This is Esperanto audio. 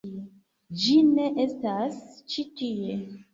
Ĝi ne estas ĉi tie